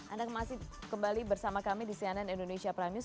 anda kembali bersama kami di cnn indonesia prime news